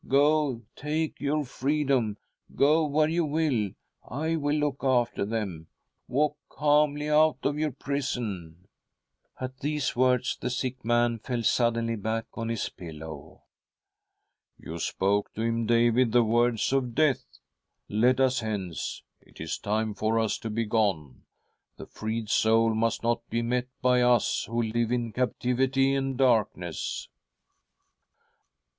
Go! take your freedom— go where you will. I will look after them. Walk calmly out of .your prison !" At these words ihe sick man fell suddenly back on his pillow. ' You spoke to him, David, the words of death ! Let us hence ; it is time for us to be gone. The •^~^^""^""™™^•..■; 164 THY SOUL SHALL BEAR WItNESS freed soul must not be met by us who live in captivity and darkness